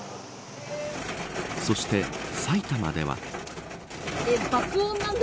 そして、埼玉では。